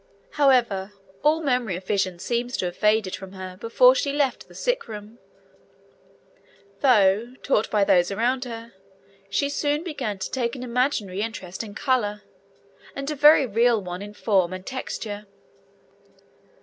However, all memory of vision seems to have faded from her before she left the sick room, though, taught by those around her, she soon began to take an imaginary interest in colour, and a very real one in form and texture.